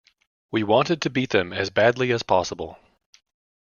We wanted to beat them as badly as possible.